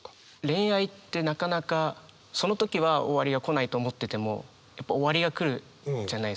恋愛ってなかなかその時は終わりは来ないと思っててもやっぱ終わりは来るじゃないですか。